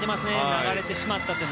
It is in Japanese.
流れてしまったという。